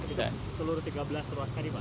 seluruh tiga belas ruas tadi pak